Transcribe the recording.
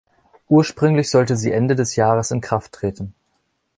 Ursprünglich sollte sie Ende des Jahres in Kraft treten.